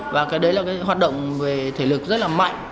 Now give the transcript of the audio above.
và cái đấy là cái hoạt động về thể lực rất là mạnh